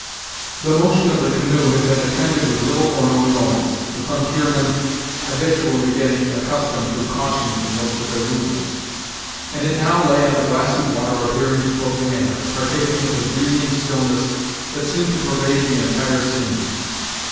The motion of the canoe had been attended with little or no noise, the frontiermen habitually getting accustomed to caution in most of their movements, and it now lay on the glassy water appearing to float in air, partaking of the breathing stillness that seemed to pervade the entire scene.